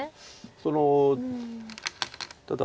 そのただ。